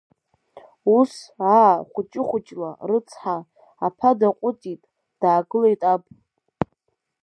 Ус, аа, хәыҷы-хәыҷла, рыцҳа, аԥа даҟәыҵит, даагылеит аб…